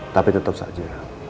tapi tetap saja